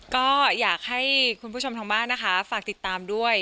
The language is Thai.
ก็อยากให้คุณผู้ชมทางบ้านนะคะฝากติดตามด้วย